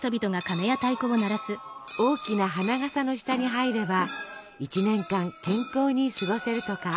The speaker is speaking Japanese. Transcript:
大きな花がさの下に入れば一年間健康に過ごせるとか。